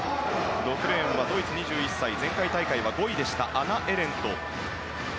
６レーンはドイツ、２１歳前回大会は５位でしたアナ・エレント。